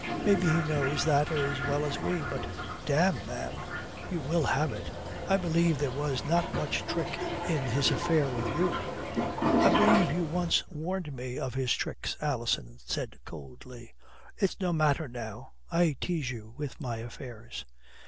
Maybe he knows that as well as we. But damme, ma'am, you will have it I believe there was not much trick in his affair with you." "I believe you once warned me of his tricks," Alison said coldly. "It's no matter now. I tease you with my affairs."